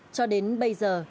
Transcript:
cho đến bây giờ